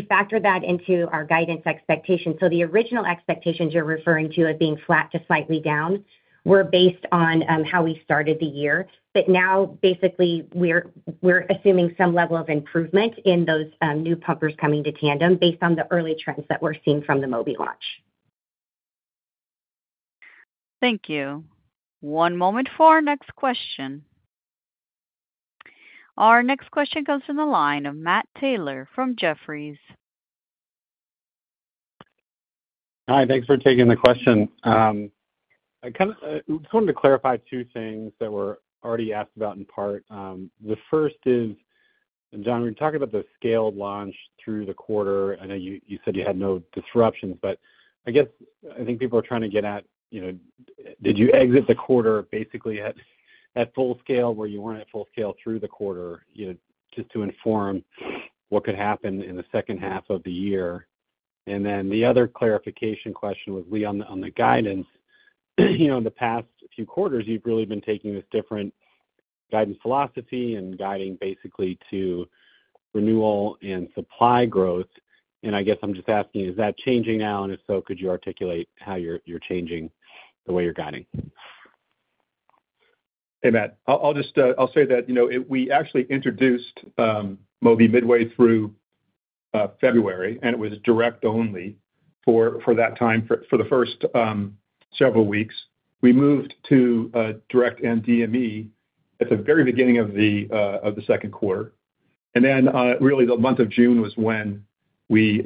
factored that into our guidance expectations. So the original expectations you're referring to as being flat to slightly down were based on how we started the year. But now, basically, we're assuming some level of improvement in those new pumpers coming to Tandem based on the early trends that we're seeing from the Mobi launch. Thank you. One moment for our next question. Our next question goes to the line of Matt Taylor from Jefferies. Hi, thanks for taking the question. I kind of just wanted to clarify two things that were already asked about in part. The first is, and John, when you talk about the scaled launch through the quarter, I know you, you said you had no disruptions, but I guess I think people are trying to get at, you know, did you exit the quarter basically at, at full scale, where you weren't at full scale through the quarter? You know, just to inform what could happen in the second half of the year. And then the other clarification question was, Leigh, on the, on the guidance. You know, in the past few quarters, you've really been taking this different guidance philosophy and guiding basically to renewal and supply growth. And I guess I'm just asking, is that changing now? If so, could you articulate how you're changing the way you're guiding? Hey, Matt. I'll just say that, you know, it—we actually introduced Mobi midway through February, and it was direct only for that time, for the first several weeks. We moved to direct and DME at the very beginning of the second quarter. And then really the month of June was when we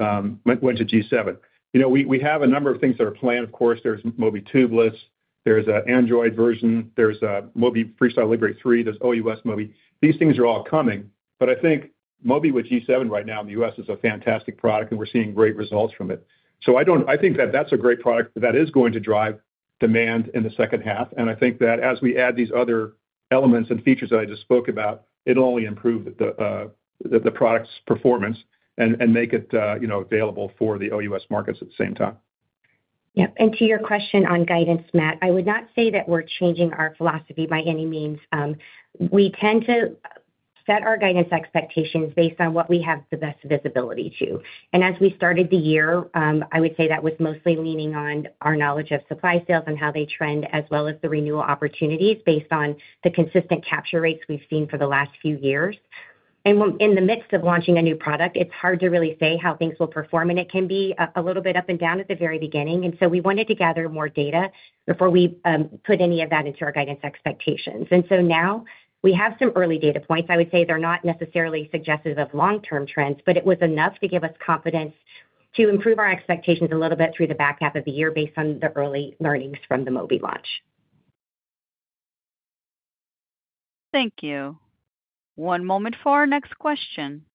went to G7. You know, we have a number of things that are planned. Of course, there's Mobi tubeless, there's an Android version, there's a Mobi FreeStyle Libre 3, there's OUS Mobi. These things are all coming, but I think Mobi with G7 right now in the U.S. is a fantastic product, and we're seeing great results from it. I think that that's a great product that is going to drive demand in the second half, and I think that as we add these other elements and features that I just spoke about, it'll only improve the product's performance and make it, you know, available for the OUS markets at the same time. Yeah, and to your question on guidance, Matt, I would not say that we're changing our philosophy by any means. We tend to set our guidance expectations based on what we have the best visibility to. And as we started the year, I would say that was mostly leaning on our knowledge of supply sales and how they trend, as well as the renewal opportunities based on the consistent capture rates we've seen for the last few years. And we're in the midst of launching a new product, it's hard to really say how things will perform, and it can be a little bit up and down at the very beginning. And so we wanted to gather more data before we put any of that into our guidance expectations. And so now we have some early data points. I would say they're not necessarily suggestive of long-term trends, but it was enough to give us confidence to improve our expectations a little bit through the back half of the year, based on the early learnings from the Mobi launch. Thank you. One moment for our next question.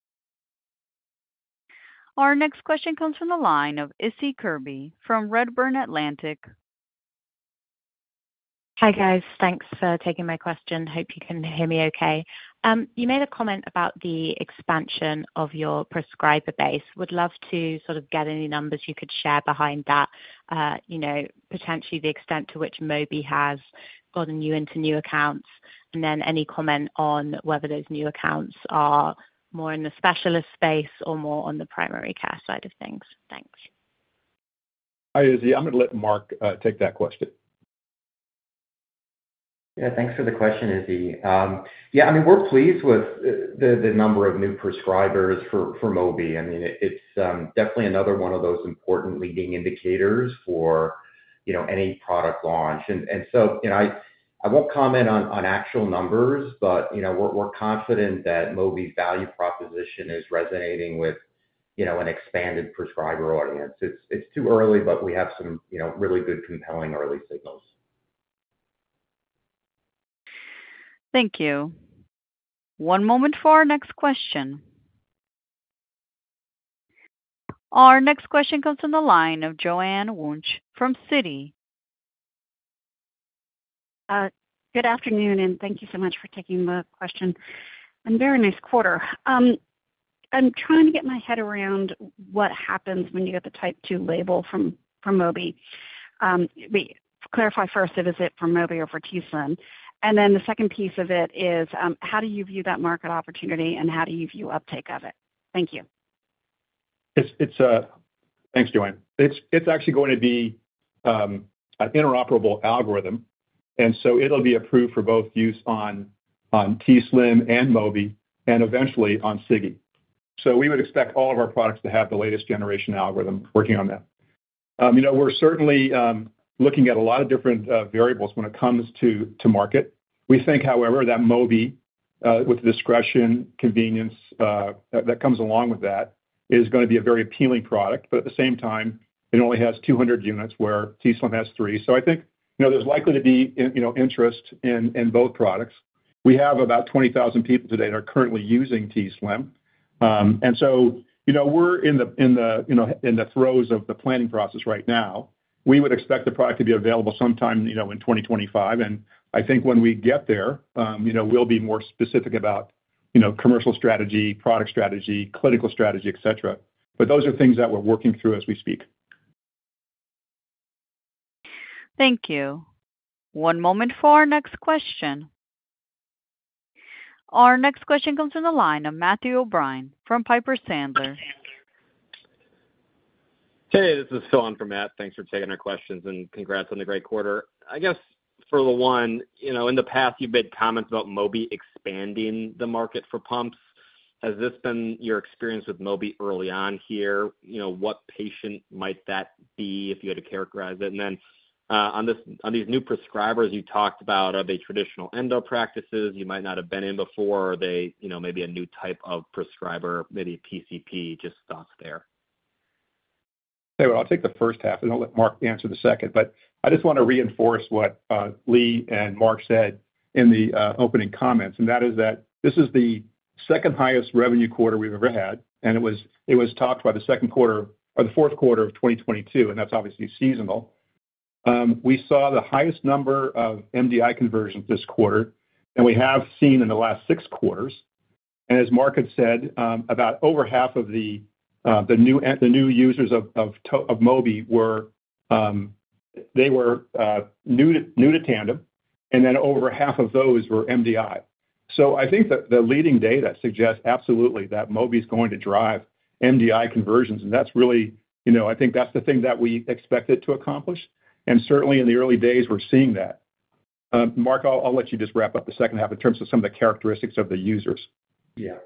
Our next question comes from the line of Issie Kirby from Redburn Atlantic. Hi, guys. Thanks for taking my question. Hope you can hear me okay. You made a comment about the expansion of your prescriber base. Would love to sort of get any numbers you could share behind that, you know, potentially the extent to which Mobi has gotten you into new accounts. And then any comment on whether those new accounts are more in the specialist space or more on the primary care side of things? Thanks. Hi, Issie. I'm gonna let Mark take that question. Yeah, thanks for the question, Issie. Yeah, I mean, we're pleased with the number of new prescribers for Mobi. I mean, it's definitely another one of those important leading indicators for, you know, any product launch. And so, you know, I won't comment on actual numbers, but, you know, we're confident that Mobi's value proposition is resonating with, you know, an expanded prescriber audience. It's too early, but we have some, you know, really good, compelling early signals. Thank you. One moment for our next question. Our next question comes from the line of Joanne Wuensch from Citi. Good afternoon, and thank you so much for taking my question, and very nice quarter. I'm trying to get my head around what happens when you get the Type 2 label from, from Mobi. But clarify first, if is it for Mobi or for t:slim? And then the second piece of it is, how do you view that market opportunity and how do you view uptake of it? Thank you. It's actually going to be an interoperable algorithm, and so it'll be approved for both use on t:slim and Mobi and eventually on Sigi. So we would expect all of our products to have the latest generation algorithm working on that. You know, we're certainly looking at a lot of different variables when it comes to market. We think, however, that Mobi with the discretion, convenience that comes along with that, is gonna be a very appealing product, but at the same time, it only has 200 units, where t:slim has 3. So I think, you know, there's likely to be interest in both products. We have about 20,000 people today that are currently using t:slim. So, you know, we're in the throes of the planning process right now. We would expect the product to be available sometime, you know, in 2025, and I think when we get there, you know, we'll be more specific about, you know, commercial strategy, product strategy, clinical strategy, et cetera. But those are things that we're working through as we speak. Thank you. One moment for our next question. Our next question comes from the line of Matthew O'Brien from Piper Sandler. Hey, this is Phil in for Matt. Thanks for taking our questions, and congrats on the great quarter. I guess for the one, you know, in the past, you've made comments about Mobi expanding the market for pumps. Has this been your experience with Mobi early on here? You know, what patient might that be, if you had to characterize it? And then, on these new prescribers you talked about, are they traditional endo practices you might not have been in before? Are they, you know, maybe a new type of prescriber, maybe PCP, just thoughts there. Okay, well, I'll take the first half, and I'll let Mark answer the second. But I just want to reinforce what, Leigh and Mark said in the opening comments, and that is that this is the second highest revenue quarter we've ever had, and it was, it was topped by the second quarter or the fourth quarter of 2022, and that's obviously seasonal. We saw the highest number of MDI conversions this quarter, than we have seen in the last six quarters. And as Mark had said, about over half of the new users of Mobi were, they were new to Tandem, and then over half of those were MDI. So I think the leading data suggests absolutely that Mobi is going to drive MDI conversions, and that's really, you know, I think that's the thing that we expected to accomplish. And certainly in the early days, we're seeing that. Mark, I'll let you just wrap up the second half in terms of some of the characteristics of the users. Yeah.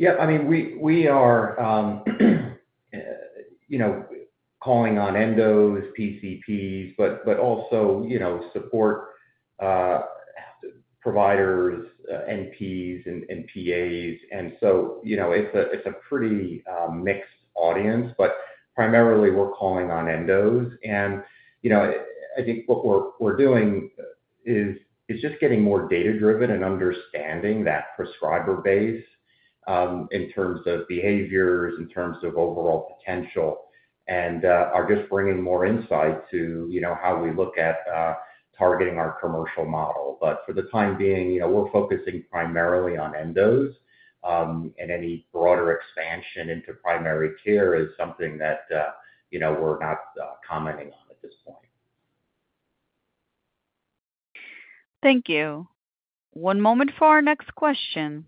Yeah, I mean, we, we are, you know, calling on endos, PCPs, but, but also, you know, support providers, NPs and, and PAs. And so, you know, it's a, it's a pretty, mixed audience, but primarily we're calling on endos. And, you know, I think what we're, we're doing is, is just getting more data-driven and understanding that prescriber base, in terms of behaviors, in terms of overall potential, and, are just bringing more insight to, you know, how we look at, targeting our commercial model. But for the time being, you know, we're focusing primarily on endos, and any broader expansion into primary care is something that, you know, we're not, commenting on at this point. Thank you. One moment for our next question.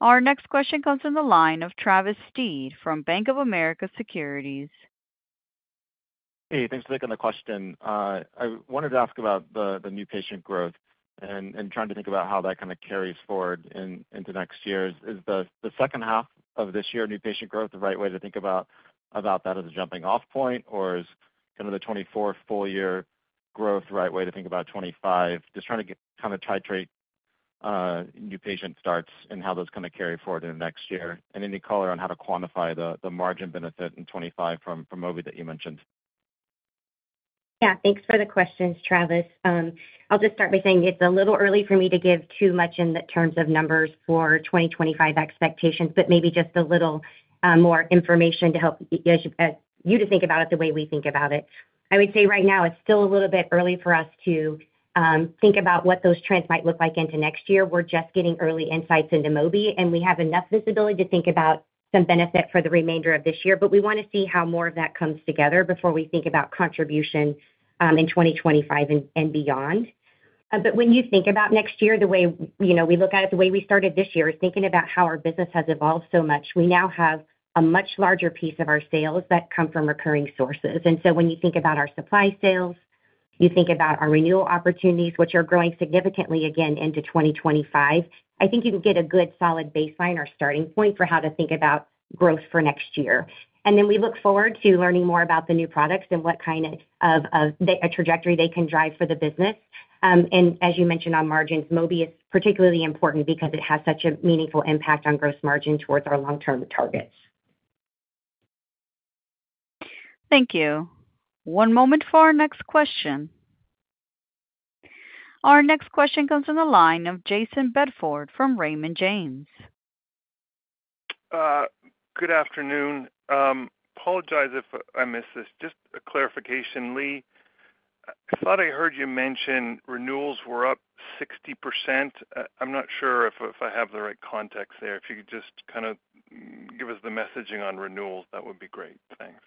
Our next question comes from the line of Travis Steed from Bank of America Securities. Hey, thanks for taking the question. I wanted to ask about the new patient growth and trying to think about how that kind of carries forward into next year. Is the second half of this year new patient growth the right way to think about that as a jumping off point? Or is kind of the 2024 full year growth the right way to think about 2025? Just trying to get kind of titrate new patient starts and how those kind of carry forward into next year. And any color on how to quantify the margin benefit in 2025 from Mobi that you mentioned. Yeah, thanks for the questions, Travis. I'll just start by saying it's a little early for me to give too much in the terms of numbers for 2025 expectations, but maybe just a little more information to help you to think about it the way we think about it. I would say right now, it's still a little bit early for us to think about what those trends might look like into next year. We're just getting early insights into Mobi, and we have enough visibility to think about some benefit for the remainder of this year. But we want to see how more of that comes together before we think about contribution in 2025 and beyond. When you think about next year, the way, you know, we look at it, the way we started this year, is thinking about how our business has evolved so much. We now have a much larger piece of our sales that come from recurring sources. And so when you think about our supply sales, you think about our renewal opportunities, which are growing significantly again into 2025, I think you can get a good, solid baseline or starting point for how to think about growth for next year. And then we look forward to learning more about the new products and what kind of a trajectory they can drive for the business. As you mentioned on margins, Mobi is particularly important because it has such a meaningful impact on gross margin towards our long-term targets. Thank you. One moment for our next question. Our next question comes from the line of Jayson Bedford from Raymond James. Good afternoon. Apologize if I missed this. Just a clarification, Leigh. I thought I heard you mention renewals were up 60%. I'm not sure if I have the right context there. If you could just kind of give us the messaging on renewals, that would be great. Thanks.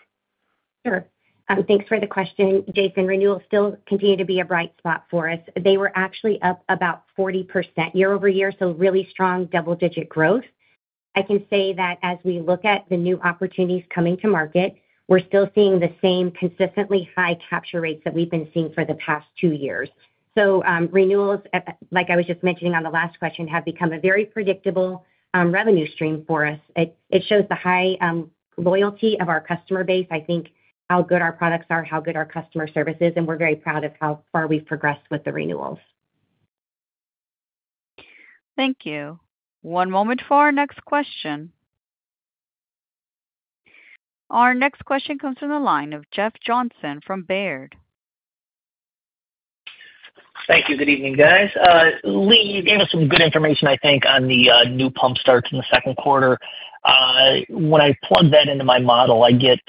Sure. Thanks for the question, Jayson. Renewals still continue to be a bright spot for us. They were actually up about 40% YoY, so really strong double-digit growth. I can say that as we look at the new opportunities coming to market, we're still seeing the same consistently high capture rates that we've been seeing for the past two years. So, renewals, at the—like I was just mentioning on the last question, have become a very predictable revenue stream for us. It shows the high loyalty of our customer base. I think how good our products are, how good our customer service is, and we're very proud of how far we've progressed with the renewals. Thank you. One moment for our next question. Our next question comes from the line of Jeff Johnson from Baird. Thank you. Good evening, guys. Leigh, you gave us some good information, I think, on the new pump starts in the second quarter. When I plug that into my model, I get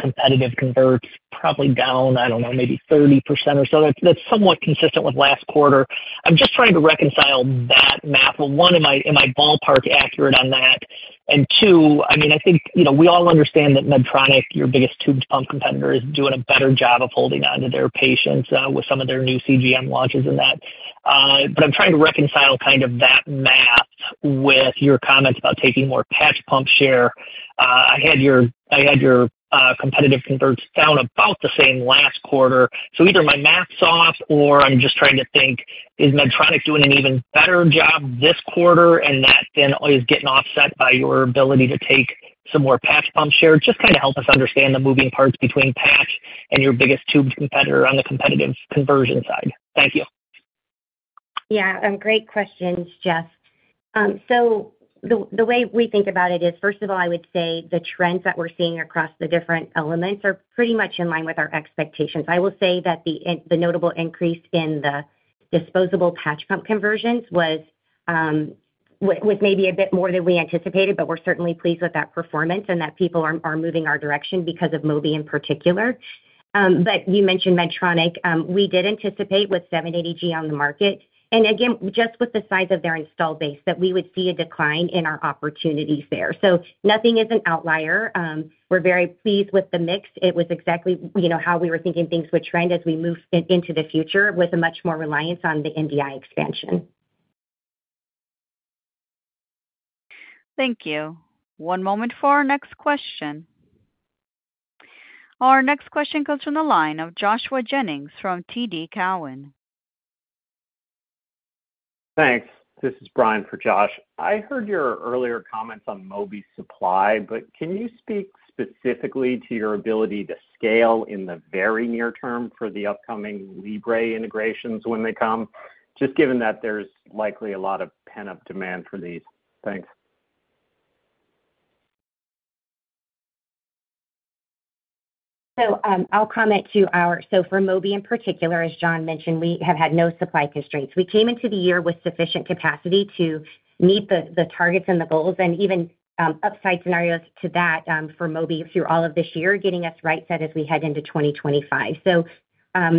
competitive converts probably down, I don't know, maybe 30% or so. That's somewhat consistent with last quarter. I'm just trying to reconcile that math. Well, one, am I ballpark accurate on that? And two, I mean, I think, you know, we all understand that Medtronic, your biggest tubed pump competitor, is doing a better job of holding on to their patients with some of their new CGM launches and that. But I'm trying to reconcile kind of that math with your comments about taking more patch pump share. I had your competitive converts down about the same last quarter. So either my math's off or I'm just trying to think, is Medtronic doing an even better job this quarter, and that then is getting offset by your ability to take some more patch pump share? Just kind of help us understand the moving parts between patch and your biggest tubed competitor on the competitive conversion side. Thank you. Yeah, great questions, Jeff. So the way we think about it is, first of all, I would say the trends that we're seeing across the different elements are pretty much in line with our expectations. I will say that the notable increase in the disposable patch pump conversions was maybe a bit more than we anticipated, but we're certainly pleased with that performance and that people are moving our direction because of Mobi in particular. But you mentioned Medtronic. We did anticipate with 780G on the market, and again, just with the size of their installed base, that we would see a decline in our opportunities there. So nothing is an outlier. We're very pleased with the mix. It was exactly, you know, how we were thinking things would trend as we move into the future with a much more reliance on the MDI expansion. Thank you. One moment for our next question. Our next question comes from the line of Joshua Jennings from TD Cowen. Thanks. This is Bryan for Josh. I heard your earlier comments on Mobi supply, but can you speak specifically to your ability to scale in the very near term for the upcoming Libre integrations when they come? Just given that there's likely a lot of pent-up demand for these. Thanks. So for Mobi, in particular, as John mentioned, we have had no supply constraints. We came into the year with sufficient capacity to meet the targets and the goals and even upside scenarios to that for Mobi through all of this year, getting us right set as we head into 2025. So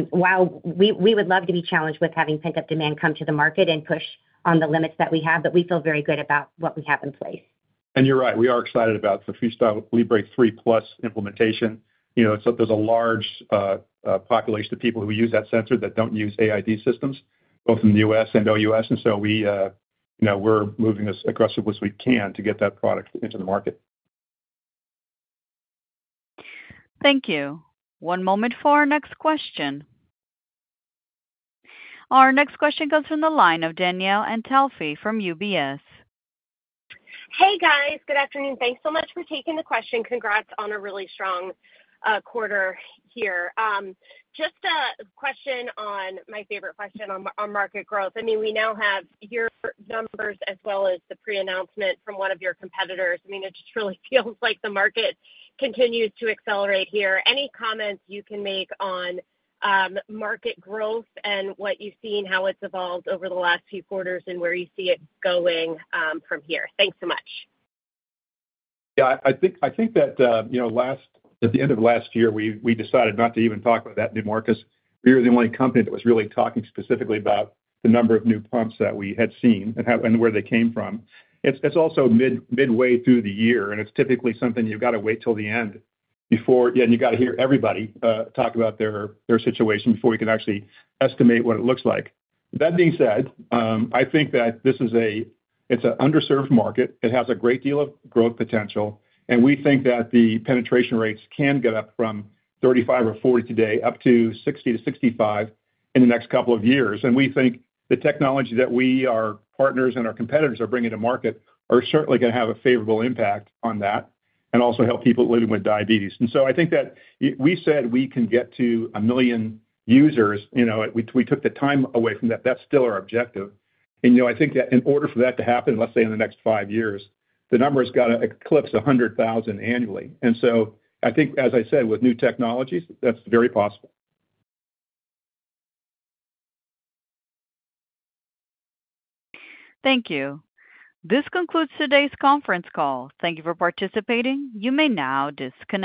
while we would love to be challenged with having pent-up demand come to the market and push on the limits that we have, but we feel very good about what we have in place. You're right, we are excited about the FreeStyle Libre 3 Plus implementation. You know, so there's a large population of people who use that sensor that don't use AID systems, both in the U.S. and OUS. And so, you know, we're moving as aggressive as we can to get that product into the market. Thank you. One moment for our next question. Our next question comes from the line of Danielle Antalffy from UBS. Hey, guys. Good afternoon. Thanks so much for taking the question. Congrats on a really strong quarter here. Just a question on my favorite question on market growth. I mean, we now have your numbers as well as the pre-announcement from one of your competitors. I mean, it just really feels like the market continues to accelerate here. Any comments you can make on market growth and what you've seen, how it's evolved over the last few quarters, and where you see it going from here? Thanks so much. Yeah, I think, I think that, you know, last at the end of last year, we, we decided not to even talk about that new market, because we were the only company that was really talking specifically about the number of new pumps that we had seen and how, and where they came from. It's also midway through the year, and it's typically something you've got to wait till the end before. Yeah, and you've got to hear everybody talk about their situation before you can actually estimate what it looks like. That being said, I think that this is—it's an underserved market. It has a great deal of growth potential, and we think that the penetration rates can get up from 35% or 40% today up to 60% to 65% in the next couple of years. We think the technology that we, our partners and our competitors are bringing to market is certainly going to have a favorable impact on that and also help people living with diabetes. So I think that we said we can get to 1 million users, you know, we, we took the time away from that. That's still our objective. You know, I think that in order for that to happen, let's say in the next 5 years, the number has got to eclipse 100,000 annually. So I think, as I said, with new technologies, that's very possible. Thank you. This concludes today's conference call. Thank you for participating. You may now disconnect.